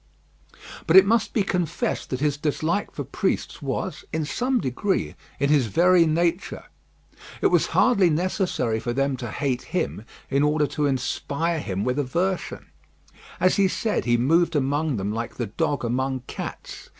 But it must be confessed that his dislike for priests was, in some degree, in his very nature. It was hardly necessary for them to hate him in order to inspire him with aversion. As he said, he moved among them like the dog among cats.